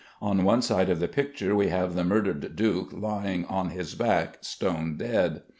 On one side of the picture we have the murdered duke lying on his back, stone dead.